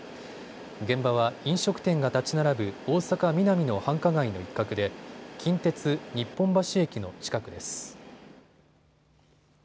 現場は飲食店が建ち並ぶ大阪ミナミの繁華街の一角で近鉄・日本橋駅の近くです。